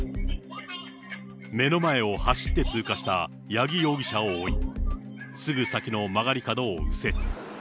目の前を走って通過した八木容疑者を追い、すぐ先の曲がり角を右折。